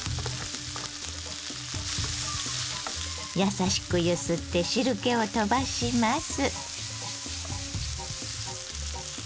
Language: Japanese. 優しく揺すって汁けをとばします。